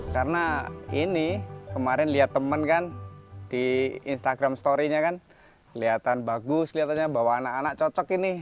karena ini kemarin lihat teman kan di instagram story nya kan kelihatan bagus kelihatannya bahwa anak anak cocok ini